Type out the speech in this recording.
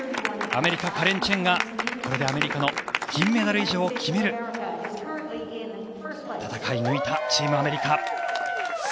アメリカ、カレン・チェンがこれでアメリカの銀メダル以上を決める戦い抜いたチームアメリカ。